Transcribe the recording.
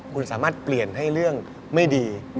คุณสามารถเปลี่ยนให้เรื่องไม่ดี